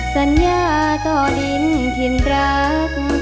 สัญญาต่อลิ้นทินรัก